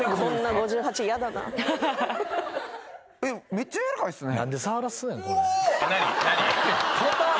めっちゃやわらかいっすね。